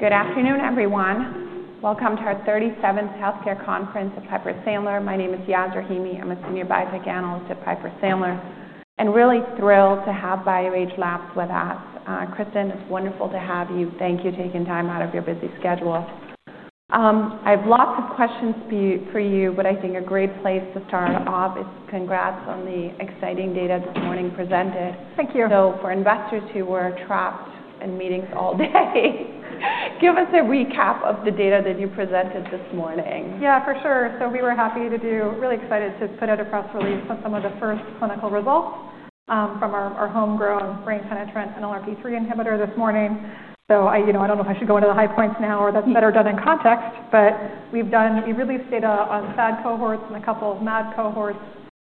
Good afternoon, everyone. Welcome to our 37th Healthcare Conference at Piper Sandler. My name is Yaz Rahimi. I'm a Senior Biotech Analyst at Piper Sandler, and really thrilled to have BioAge Labs with us. Kristen, it's wonderful to have you. Thank you for taking time out of your busy schedule. I have lots of questions for you, but I think a great place to start off is congrats on the exciting data this morning presented. Thank you. So, for investors who were trapped in meetings all day, give us a recap of the data that you presented this morning? Yeah, for sure. So we were happy to do, really excited to put out a press release on some of the first clinical results from our homegrown brain-penetrant NLRP3 inhibitor this morning. So I don't know if I should go into the high points now, or that's better done in context, but we released data on SAD cohorts and a couple of MAD cohorts,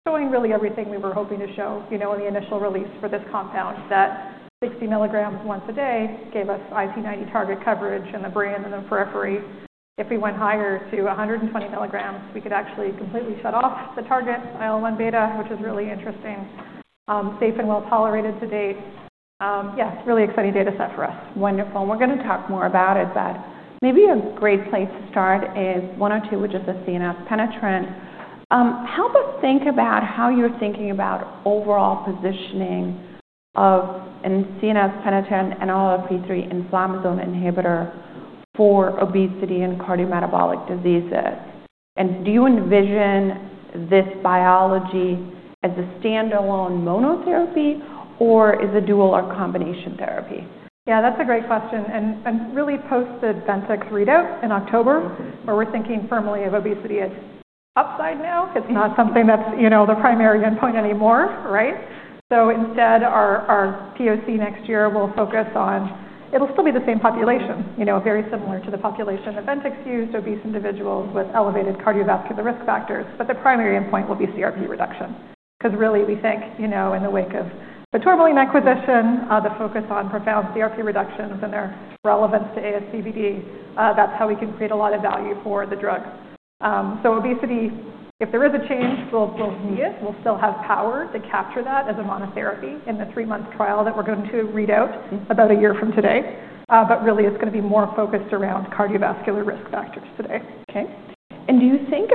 showing really everything we were hoping to show in the initial release for this compound. That 60 mg once a day gave us IC90 target coverage in the brain and the periphery. If we went higher to 120 mg, we could actually completely shut off the target, IL-1 beta, which is really interesting, safe and well tolerated to date. Yeah, really exciting data set for us. Wonderful. And we're going to talk more about it, but maybe a great place to start is 102, which is a CNS penetrant. Help us think about how you're thinking about overall positioning of CNS penetrant and NLRP3 inflammasome inhibitor for obesity and cardiometabolic diseases. And do you envision this biology as a standalone monotherapy, or is it dual or combination therapy? Yeah, that's a great question. Really post the Ventyx readout in October, where we're thinking firmly of obesity as upside now, it's not something that's the primary endpoint anymore, right? So instead, our POC next year will focus on it'll still be the same population, very similar to the population that Ventyx used, obese individuals with elevated cardiovascular risk factors. But the primary endpoint will be CRP reduction, because really we think in the wake of the Tourmaline acquisition, the focus on profound CRP reductions and their relevance to ASCVD, that's how we can create a lot of value for the drug. So obesity, if there is a change, we'll see it. We'll still have power to capture that as a monotherapy in the three-month trial that we're going to read out about a year from today. But really, it's going to be more focused around cardiovascular risk factors today. Okay. And do you think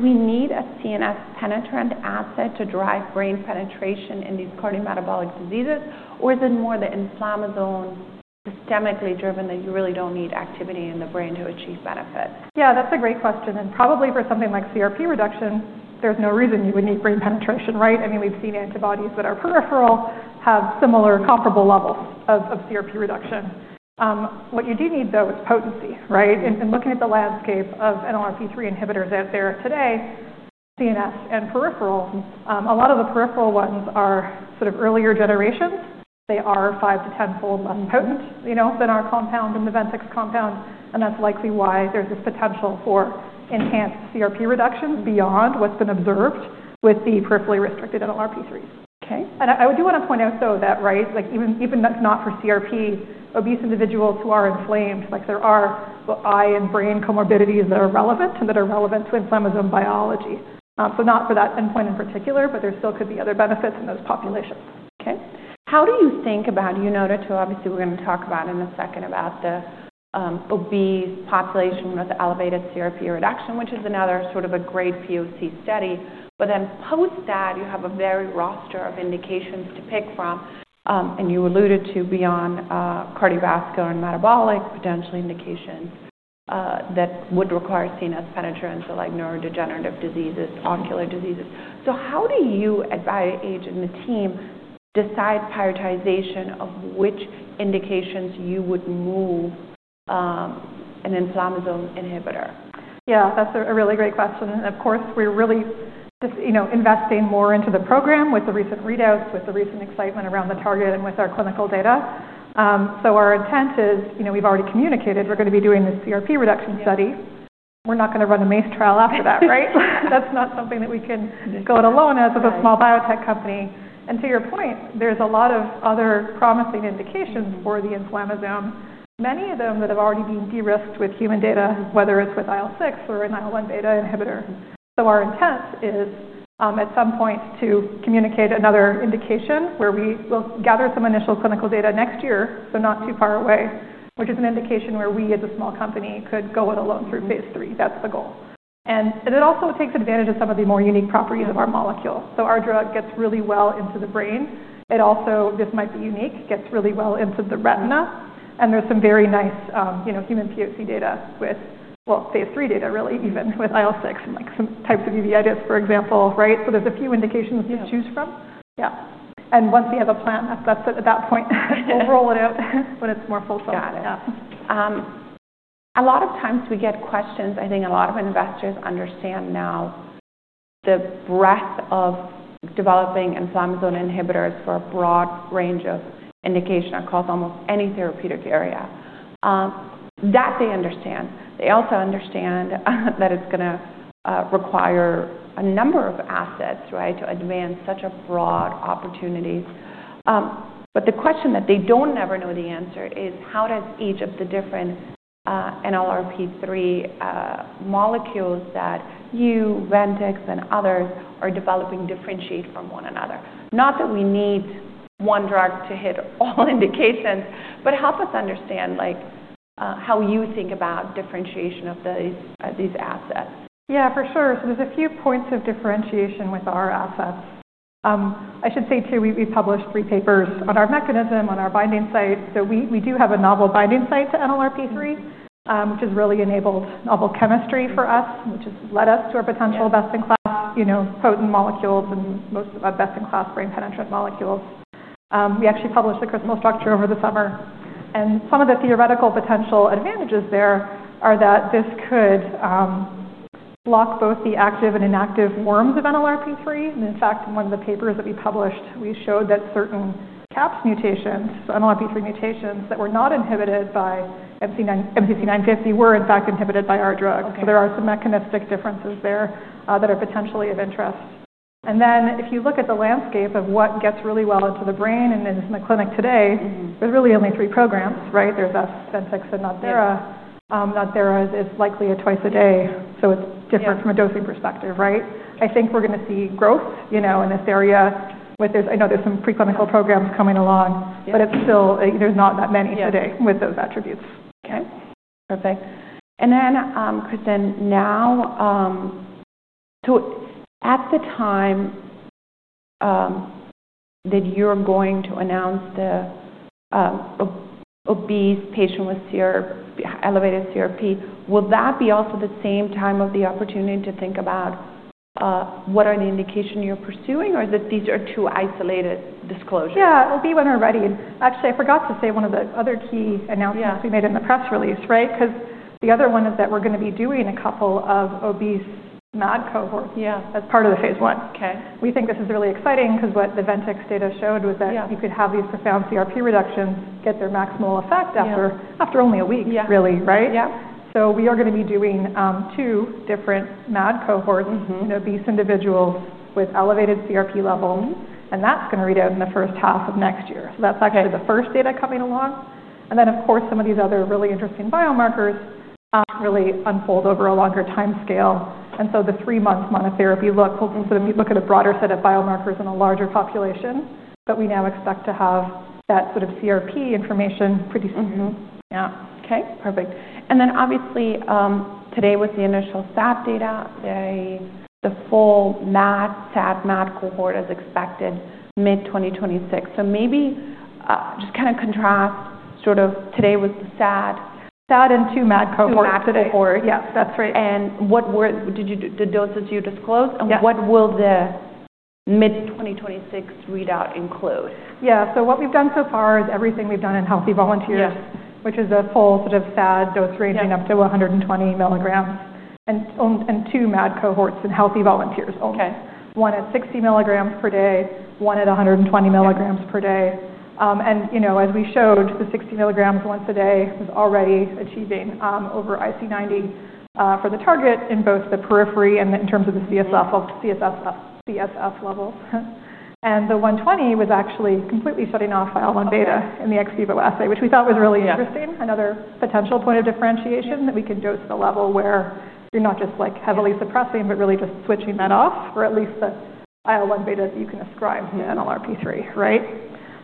we need a CNS penetrant asset to drive brain penetration in these cardiometabolic diseases, or is it more the inflammasome systemically driven that you really don't need activity in the brain to achieve benefit? Yeah, that's a great question. And probably for something like CRP reduction, there's no reason you would need brain penetration, right? I mean, we've seen antibodies that are peripheral have similar comparable levels of CRP reduction. What you do need, though, is potency, right? And looking at the landscape of NLRP3 inhibitors out there today, CNS and peripheral, a lot of the peripheral ones are sort of earlier generations. They are five to 10-fold less potent than our compound and the Ventyx compound. And that's likely why there's this potential for enhanced CRP reduction beyond what's been observed with the peripherally restricted NLRP3s. Okay. I do want to point out, though, that even if not for CRP, obese individuals who are inflamed, there are eye and brain comorbidities that are relevant to inflammasome biology. Not for that endpoint in particular, but there still could be other benefits in those populations. Okay. How do you think about? You noted too, obviously we're going to talk about in a second about the obese population with elevated CRP reduction, which is another sort of a great POC study, but then post that you have a very robust roster of indications to pick from, and you alluded to beyond cardiovascular and metabolic potential indications that would require CNS penetrants like neurodegenerative diseases, ocular diseases. So how do you, at BioAge and the team, decide prioritization of which indications you would move an inflammasome inhibitor? Yeah, that's a really great question. And of course, we're really investing more into the program with the recent readouts, with the recent excitement around the target and with our clinical data. So our intent is, we've already communicated we're going to be doing this CRP reduction study. We're not going to run a MACE trial after that, right? That's not something that we can go it alone as a small biotech company. And to your point, there's a lot of other promising indications for the inflammasome, many of them that have already been de-risked with human data, whether it's with IL-6 or an IL-1 beta inhibitor. So our intent is at some point to communicate another indication where we will gather some initial clinical data next year, so not too far away, which is an indication where we as a small company could go it alone through phase III. That's the goal. And it also takes advantage of some of the more unique properties of our molecule. So our drug gets really well into the brain. It also, this might be unique, gets really well into the retina. And there's some very nice human POC data with, well, phase III data really, even with IL-6 and some types of uveitis, for example, right? So there's a few indications to choose from. Yeah. And once we have a plan, that's at that point, we'll roll it out when it's more fulfilled. Got it. A lot of times we get questions. I think a lot of investors understand now the breadth of developing inflammasome inhibitors for a broad range of indication across almost any therapeutic area. That they understand. They also understand that it's going to require a number of assets to advance such a broad opportunity. But the question that they don't ever know the answer is, how does each of the different NLRP3 molecules that you, Ventyx, and others are developing differentiate from one another? Not that we need one drug to hit all indications, but help us understand how you think about differentiation of these assets. Yeah, for sure. So there's a few points of differentiation with our assets. I should say too, we published three papers on our mechanism, on our binding site. So we do have a novel binding site to NLRP3, which has really enabled novel chemistry for us, which has led us to our potential best-in-class potent molecules and most of our best-in-class brain penetrant molecules. We actually published the crystal structure over the summer. And some of the theoretical potential advantages there are that this could block both the active and inactive forms of NLRP3. And in fact, in one of the papers that we published, we showed that certain CAPS mutations, NLRP3 mutations that were not inhibited by MCC950 were, in fact, inhibited by our drug. So there are some mechanistic differences there that are potentially of interest. Then if you look at the landscape of what gets really well into the brain and is in the clinic today, there's really only three programs, right? There's us, Ventyx, and NodThera. NodThera is likely a twice-a-day. So it's different from a dosing perspective, right? I think we're going to see growth in this area. I know there's some preclinical programs coming along, but there's not that many today with those attributes. Okay. Perfect. And then, Kristen, now, so at the time that you're going to announce the obese patient with elevated CRP, will that be also the same time of the opportunity to think about what are the indications you're pursuing, or is it these are two isolated disclosures? Yeah, it'll be when we're ready. Actually, I forgot to say one of the other key announcements we made in the press release, right? Because the other one is that we're going to be doing a couple of obese MAD cohorts as part of the phase I. We think this is really exciting because what the Ventyx data showed was that you could have these profound CRP reductions get their maximal effect after only a week, really, right? So we are going to be doing two different MAD cohorts, obese individuals with elevated CRP levels, and that's going to read out in the first half of next year. So that's actually the first data coming along, and then, of course, some of these other really interesting biomarkers really unfold over a longer time scale. And so the three-month monotherapy look will look at a broader set of biomarkers in a larger population, but we now expect to have that sort of CRP information pretty soon. Yeah. Okay. Perfect. And then obviously, today with the initial SAD data, the full SAD/MAD cohort is expected mid-2026. So maybe just kind of contrast sort of today with the SAD and two MAD cohorts today. Two MAD cohorts, yes. That's right. What were the doses you disclosed? What will the mid-2026 readout include? Yeah. So what we've done so far is everything we've done in healthy volunteers, which is a full sort of SAD dose ranging up to 120 mg, and two MAD cohorts in healthy volunteers only. One at 60 mg per day, one at 120 mg per day. And as we showed, the 60 milligrams once a day was already achieving over IC90 for the target in both the periphery and in terms of the CSF levels. And the 120 was actually completely shutting off IL-1 beta in the ex vivo assay, which we thought was really interesting. Another potential point of differentiation that we can dose to the level where you're not just heavily suppressing, but really just switching that off for at least the IL-1 beta that you can ascribe to NLRP3, right?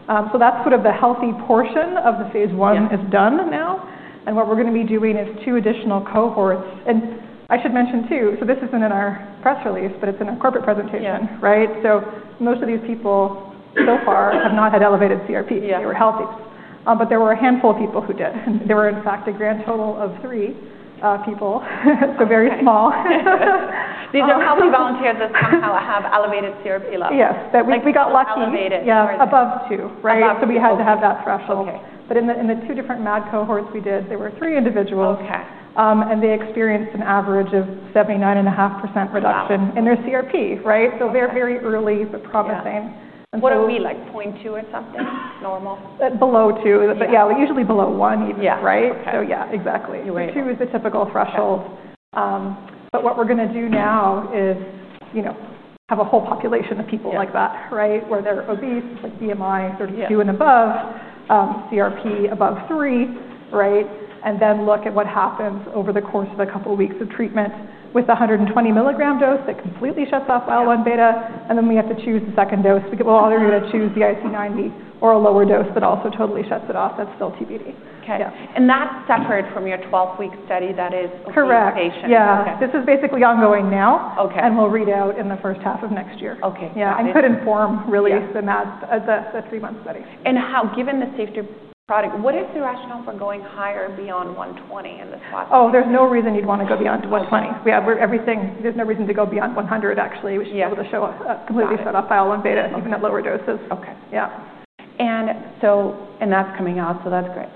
So that's sort of the healthy portion of the phase I is done now. What we're going to be doing is two additional cohorts. I should mention too, so this isn't in our press release, but it's in our corporate presentation, right? Most of these people so far have not had elevated CRP. They were healthy. There were a handful of people who did. There were, in fact, a grand total of three people, so very small. These are healthy volunteers that somehow have elevated CRP levels. Yes, that we got lucky. Elevated. Above two, right? So we had to have that threshold. But in the two different MAD cohorts we did, there were three individuals, and they experienced an average of 79.5% reduction in their CRP, right? So they're very early, but promising. What are we, like 0.2 or something? Normal? Below two. But yeah, usually below one even, right? So yeah, exactly. Two is the typical threshold. But what we're going to do now is have a whole population of people like that, right? Where they're obese, BMI 32 and above, CRP above three, right? And then look at what happens over the course of a couple of weeks of treatment with a 120 mg dose that completely shuts off IL-1 beta. And then we have to choose the second dose. We're either going to choose the IC90 or a lower dose that also totally shuts it off. That's still TBD. Okay, and that's separate from your 12-week study that is. Correct. Yeah. This is basically ongoing now, and we'll read out in the first half of next year. Yeah, and could inform release the three-month study. Given the safety profile, what is the rationale for going higher beyond 120 in this process? Oh, there's no reason you'd want to go beyond 120. There's no reason to go beyond 100, actually. We should be able to show a completely shut-off IL-1 beta, even at lower doses. Okay. And that's coming out, so that's great.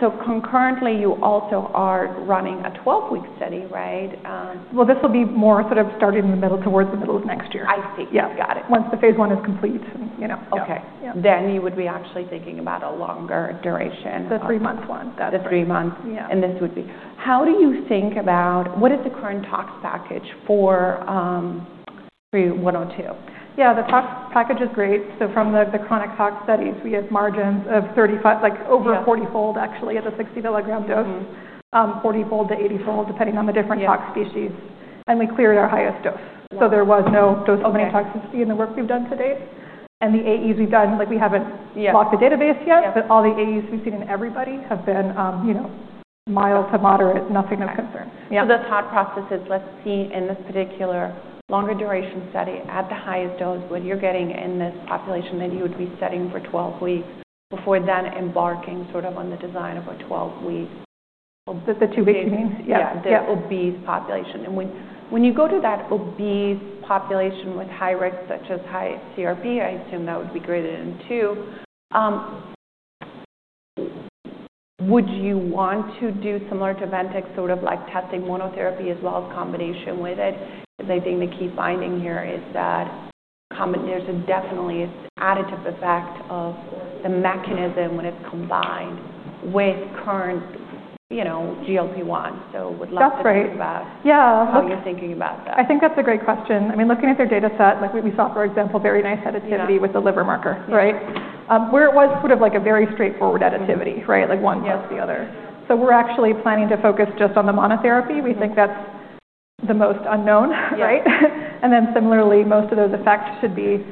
So concurrently, you also are running a 12-week study, right? This will be more sort of starting in the middle towards the middle of next year. I see. Got it. Once the phase I is complete. Okay. Then you would be actually thinking about a longer duration. The three-month one. The three-month. And this would be how do you think about what is the current tox package for 102? Yeah, the tox package is great, so from the chronic tox studies, we have margins of over a 40-fold, actually, at the 60 milligram dose, 40-fold to 80-fold, depending on the different tox species, and we cleared our highest dose, so there was no dose-limiting toxicity in the work we've done to date, and the AEs we've done, we haven't locked the database yet, but all the AEs we've seen in everybody have been mild to moderate, nothing of concern. So the thought process is, let's see, in this particular longer duration study at the highest dose, what you're getting in this population that you would be studying for 12 weeks before then embarking sort of on the design of a 12-week. The two-week means? Yeah, the obese population. And when you go to that obese population with high risk, such as high CRP, I assume that would be greater than two. Would you want to do similar to Ventyx, sort of like testing monotherapy as well as combination with it? Because I think the key finding here is that there's definitely an additive effect of the mechanism when it's combined with current GLP-1. So would love to talk about how you're thinking about that. I think that's a great question. I mean, looking at their dataset, we saw, for example, very nice additivity with the liver marker, right? Where it was sort of like a very straightforward additivity, right? Like one plus the other. So we're actually planning to focus just on the monotherapy. We think that's the most unknown, right, and then similarly, most of those effects should be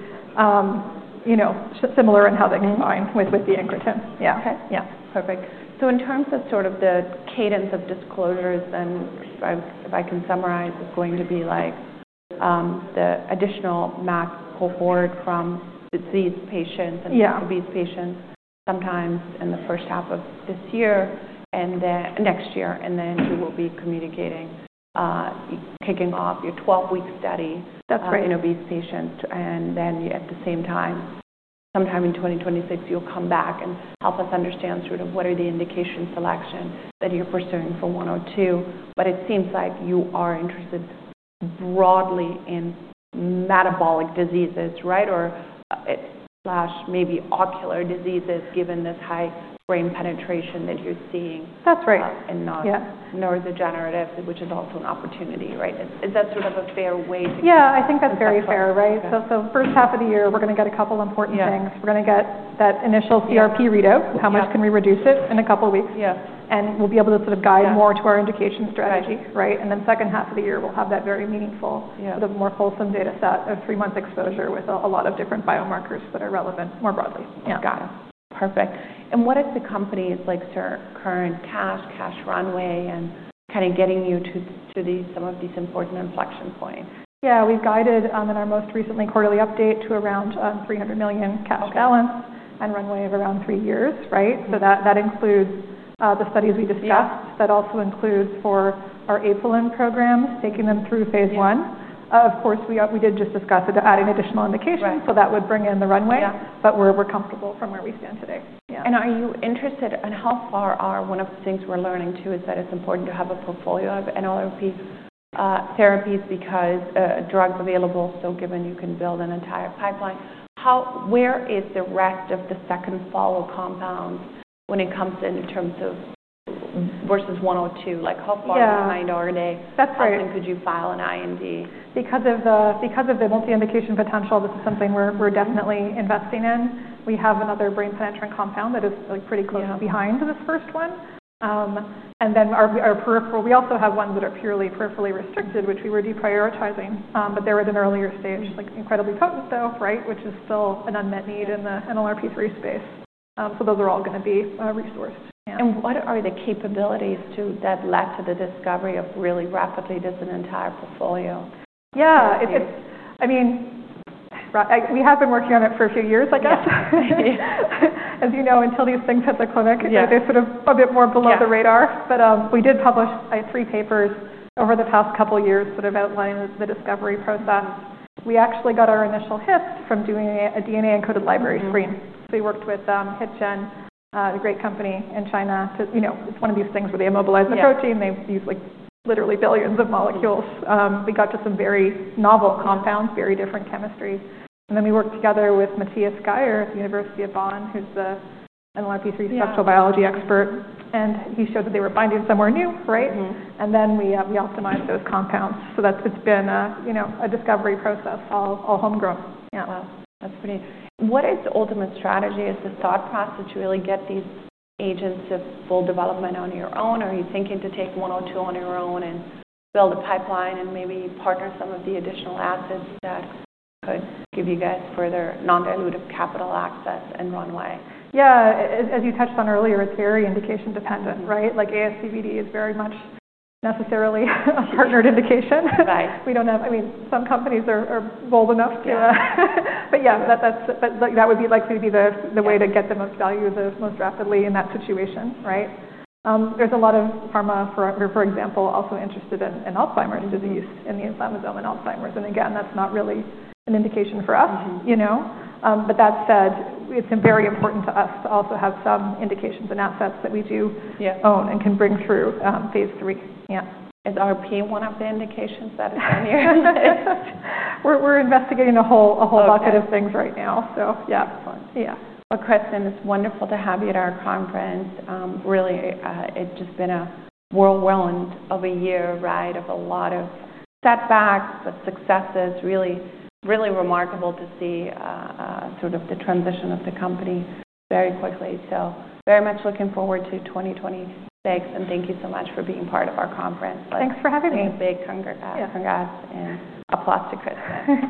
similar in how they combine with the incretin. Yeah. Perfect. So in terms of sort of the cadence of disclosures, then if I can summarize, it's going to be like the additional MAD cohort from disease patients and obese patients sometimes in the first half of this year and next year. And then you will be communicating, kicking off your 12-week study in obese patients. And then at the same time, sometime in 2026, you'll come back and help us understand sort of what are the indication selection that you're pursuing for 102. But it seems like you are interested broadly in metabolic diseases, right? Or maybe ocular diseases given this high brain penetration that you're seeing in neurodegenerative, which is also an opportunity, right? Is that sort of a fair way to? Yeah, I think that's very fair, right? So the first half of the year, we're going to get a couple of important things. We're going to get that initial CRP readout, how much can we reduce it in a couple of weeks. And we'll be able to sort of guide more to our indication strategy, right? And then second half of the year, we'll have that very meaningful, sort of more wholesome dataset of three-month exposure with a lot of different biomarkers that are relevant more broadly. Got it. Perfect. And what if the company is like your current cash runway, and kind of getting you to some of these important inflection points? Yeah, we've guided in our most recent quarterly update to around $300 million cash balance and runway of around three years, right? So that includes the studies we discussed. That also includes for our APJ programs, taking them through phase I. Of course, we did just discuss adding additional indication. So that would bring in the runway, but we're comfortable from where we stand today. Are you interested in how far along? One of the things we're learning too is that it's important to have a portfolio of NLRP3 therapies because drugs are available, so given you can build an entire pipeline. Where is the status of the second follow-on compound when it comes in terms of versus 102? Like how far behind are they? How soon could you file an IND? Because of the multi-indication potential, this is something we're definitely investing in. We have another brain penetrant compound that is pretty close behind this first one, and then our peripheral, we also have ones that are purely peripherally restricted, which we were deprioritizing, but they were at an earlier stage, like incredibly potent though, right? Which is still an unmet need in the NLRP3 space, so those are all going to be resourced. What are the capabilities that led to the discovery really rapidly of this entire portfolio? Yeah. I mean, we have been working on it for a few years, I guess. As you know, until these things hit the clinic, they're sort of a bit more below the radar. But we did publish three papers over the past couple of years sort of outlining the discovery process. We actually got our initial hits from doing a DNA encoded library screen. So we worked with HitGen, a great company in China. It's one of these things where they immobilize the protein. They use literally billions of molecules. We got to some very novel compounds, very different chemistries. And then we worked together with Matthias Geyer at the University of Bonn, who's the NLRP3 structural biology expert. And he showed that they were binding somewhere new, right? And then we optimized those compounds. So it's been a discovery process, all homegrown. Wow. That's pretty. What is the ultimate strategy? Is the thought process to really get these agents to full development on your own? Are you thinking to take 102 on your own and build a pipeline and maybe partner some of the additional assets that could give you guys further non-dilutive capital access and runway? Yeah. As you touched on earlier, it's very indication dependent, right? Like ASCVD is very much necessarily a partnered indication. We don't have, I mean, some companies are bold enough to, but yeah, that would be likely to be the way to get the most value the most rapidly in that situation, right? There's a lot of pharma, for example, also interested in Alzheimer's disease and the inflammasome in Alzheimer's. And again, that's not really an indication for us. But that said, it's very important to us to also have some indications and assets that we do own and can bring through phase III. Is RP one of the indications that is on your list? We're investigating a whole bucket of things right now, so yeah. Kristen, it's wonderful to have you at our conference. Really, it's just been a whirlwind of a year, right? of a lot of setbacks, but successes. Really, really remarkable to see sort of the transition of the company very quickly. So very much looking forward to 2026. And thank you so much for being part of our conference. Thanks for having me. Big congrats and applause to Kristen.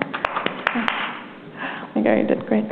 I think I already did great.